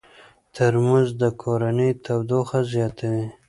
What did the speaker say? ترموز د کورنۍ تودوخه زیاتوي.